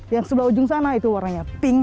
yang sebelah ujung sana itu warnanya pink